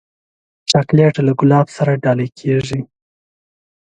چاکلېټ له ګلاب سره ډالۍ کېږي.